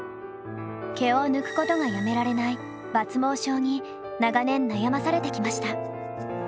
毛を抜くことがやめられない抜毛症に長年悩まされてきました。